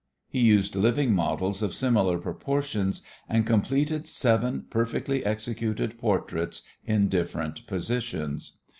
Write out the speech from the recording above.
He used living models of similar proportions and completed seven perfectly executed portraits in different positions.